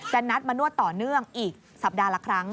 นัดมานวดต่อเนื่องอีกสัปดาห์ละครั้ง